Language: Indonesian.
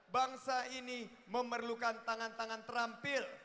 bangsa ini memerlukan tangan tangan terampil